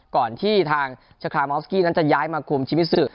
ก่อนที่ทางชาคลามออสกี้นั้นจะย้ายมาคุมชีวิตสื่อ